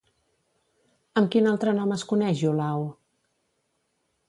Amb quin altre nom es coneix Iolau?